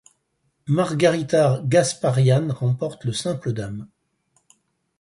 Margarita Gasparyan remporte le simple dames.